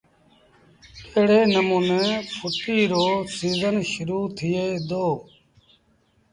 ايڙي نموٚني ڦُٽيٚ رو سيٚزن شرو ٿئي دو